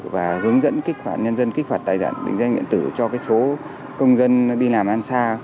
và hướng dẫn kích hoạt nhân dân kích hoạt tài giản định danh định tử cho số công dân đi làm an xa